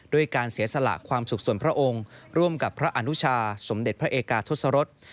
ด้วยการเสียสละความสุขส่วนพระองค์ร่วมกับพระอนุชาสมเด็จพระเอกาทศรษ